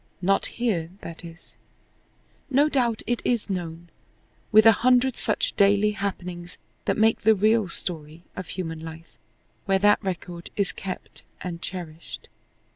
Not here, that is. No doubt it is known, with a hundred such daily happenings that make the real story of human life, where that record is kept and cherished.